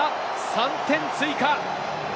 ３点追加！